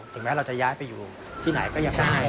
แม้เราจะย้ายไปอยู่ที่ไหนก็ยังคง